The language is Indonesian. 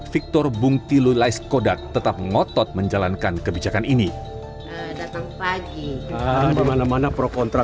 victor bungtilulai skoda tetap ngotot menjalankan kebijakan ini datang pagi di mana mana pro contra